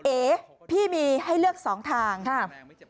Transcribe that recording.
เอ๋พี่มีให้เลือกสองทางครับ